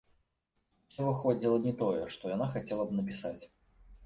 Усё выходзіла не тое, што яна хацела б напісаць.